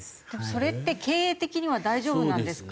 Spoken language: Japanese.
それって経営的には大丈夫なんですか？